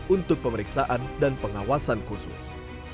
untuk pemeriksaan dan pengawasan khusus